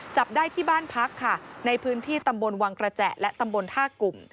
จับได้ที่บ้านพักค่ะในพื้นที่ตำบลวังกระแจและตำบลท่ากลุ่ม